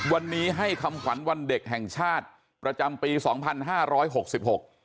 วันนี้ให้คำขวัญวันเด็กแห่งชาติประจำปีสองพันห้าร้อยหกสิบหก